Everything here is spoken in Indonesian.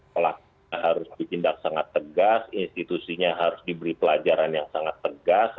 pelakunya harus ditindak sangat tegas institusinya harus diberi pelajaran yang sangat tegas